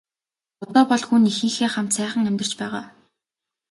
Одоо бол хүү нь эхийнхээ хамт сайхан амьдарч байгаа.